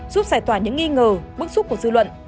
giúp giải tỏa những nghi ngờ bức xúc của dư luận